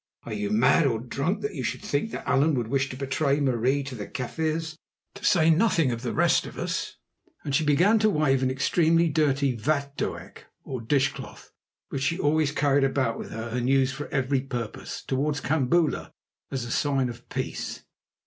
Are you mad or drunk that you should think that Allan would wish to betray Marie to the Kaffirs, to say nothing of the rest of us?" and she began to wave an extremely dirty vatdoek, or dishcloth, which she always carried about with her and used for every purpose, towards Kambula as a sign of peace.